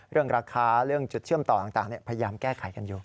เรื่องราคาเรื่องจุดเชื่อมต่อต่างพยายามแก้ไขกันอยู่